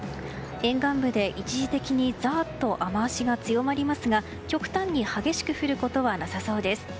沿岸部で一時的にザーッと雨脚が強まりますが極端に激しく降ることはなさそうです。